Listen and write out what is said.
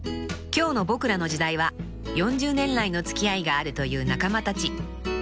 ［今日の『ボクらの時代』は４０年来の付き合いがあるという仲間たち］